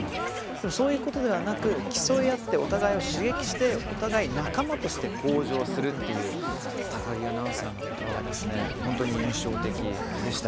でも、そういうことではなく競い合ってお互いを刺激してお互い仲間として向上するという高木アナウンサーの言葉が本当に印象的でした。